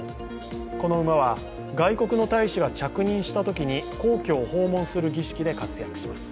この馬は、外国の大使が着任したときに皇居を訪問する儀式で活躍します。